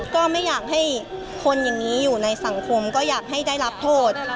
ก็ไม่อยากให้คนอย่างนี้อยู่ในสังคมก็อยากให้ได้รับโทษ